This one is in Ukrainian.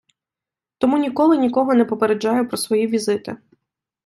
Тому ніколи нікого не попереджаю про свої візити.